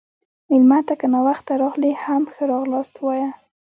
مېلمه ته که ناوخته راغلی، هم ښه راغلاست ووایه.